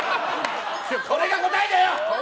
それが答えだよ！